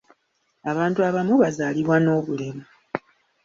Abantu abamu bazaalibwa n'obulemu.